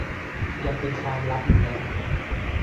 ยังเป็นความลับอยู่นะ